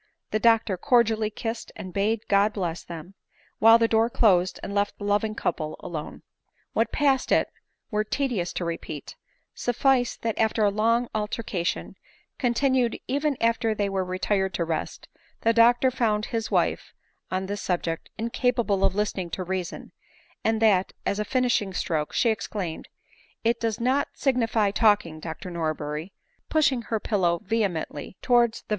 The doctor cordially kissed, and bade God bless them ; while the door closed and left the loving couple alone. What passed it were tedious to repeat ; suffice that after a long altercation, continued even after they were retired to rest, the doctor found his wife, on this subject, incapable of listening to reason, and that, as a finishing stroke, she exclaimed, " It does not signify talking, Dr Norberry," (pushing her pillow vehemently towards the J ADELINE: MOWBRAY.